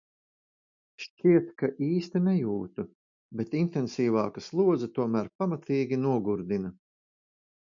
Šķiet, ka īsti nejūtu, bet intensīvāka slodze tomēr pamatīgi nogurdina.